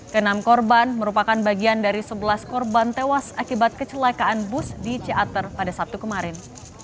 kenam korban merupakan bagian dari sebelas korban tewas akibat kecelakaan bus di ciater pada sabtu kemarin